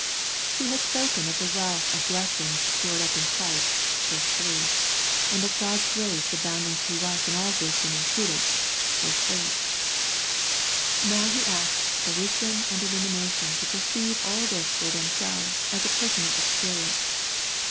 He has 95 The Prayers of St. Paul spoken of the wealth of blessing stored up in Christ (ver. 3), and of God's grace abounding to us in all wisdom and prudence (ver. 8). Now he asks for wisdom and illumination to perceive all this for themselves as a personal experience.